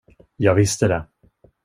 Jag visste det.